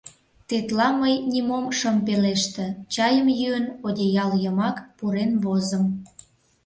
Тетла мый нимом шым пелеште, чайым йӱын, одеял йымак пурен возым.